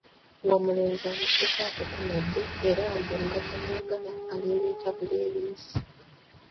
Ng’omulenzi amusuza akukunadde era mbu nga tamwagala alebeeta bulebeesi.